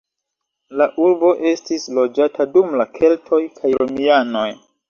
La urbo estis loĝata dum la keltoj kaj romianoj.